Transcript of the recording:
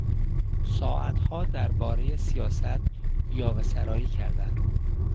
ساعتها دربارهی سیاست، یاوهسرایی کردند.